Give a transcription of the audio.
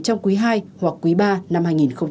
trong quý hai hoặc quý ba năm hai nghìn hai mươi hai